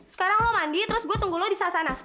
sekarang lo mandi terus gua tunggu lo disana sana